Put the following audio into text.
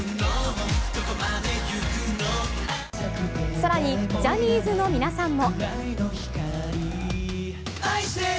さらに、ジャニーズの皆さんも。